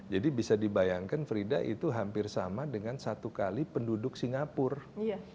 jadi bisa dibayangkan frida itu hampir sama dengan satu kali penduduk singapura